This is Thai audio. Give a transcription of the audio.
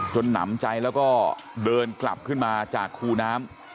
หนำใจแล้วก็เดินกลับขึ้นมาจากคูน้ำ